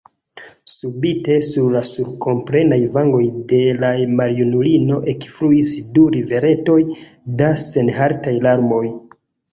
Subite sur la sulkoplenaj vangoj de la maljunulino ekfluis du riveretoj da senhaltaj larmoj.